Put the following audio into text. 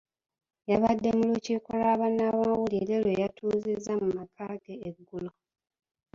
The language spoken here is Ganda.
Yabadde mu lukiiko lwa bannamawulire lwe yatuuzizza mu maka ge eggulo.